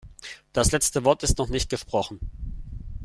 Das letzte Wort ist noch nicht gesprochen.